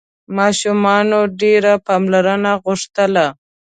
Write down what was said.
ماشومانو ډېره پاملرنه غوښتله.